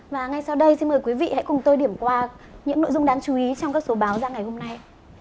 và ngay sau đây xin mời quý vị hãy cùng tôi điểm qua những nội dung đáng chú ý trong các số báo ra ngày hôm nay